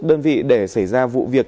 đơn vị để xảy ra vụ việc